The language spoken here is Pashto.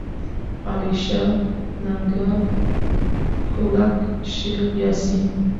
علیشه، لنگر، کولک، شیخ یاسین.